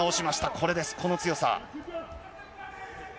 これです、この強さ。